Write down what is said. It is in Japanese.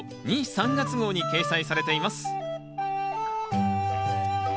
・３月号に掲載されています